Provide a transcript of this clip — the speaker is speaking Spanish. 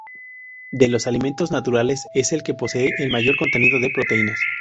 De los alimentos naturales es el que posee el mayor contenido de proteínas.